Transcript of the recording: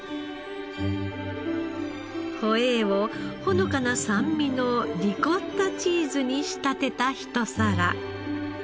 ホエーをほのかな酸味のリコッタチーズに仕立てたひと皿。